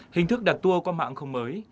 hình thức đặt tour qua mạng không mới